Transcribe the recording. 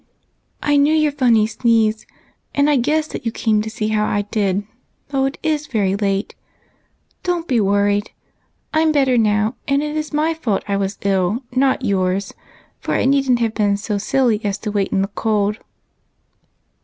" I knew your funny sneeze, and I guessed that you came to see how I did, though it is very late. Don't be worried. I'm better now, and it is my fault I was ill, not yours; for I needn't have been so silly as to wait in the cold just because I said I would."